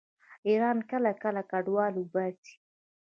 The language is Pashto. ایران کله کله کډوال وباسي.